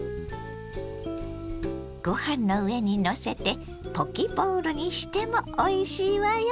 ご飯の上にのせてポキ・ボウルにしてもおいしいわよ。